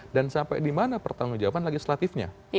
dan sampai dimana pertanggung jawaban legislatifnya